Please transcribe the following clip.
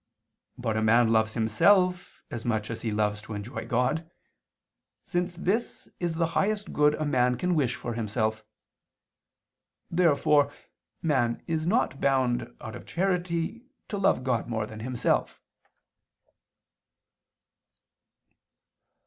But a man loves himself as much as he loves to enjoy God; since this is the highest good a man can wish for himself. Therefore man is not bound, out of charity, to love God more than himself.